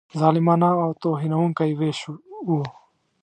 ظالمانه او توهینونکی وېش وو.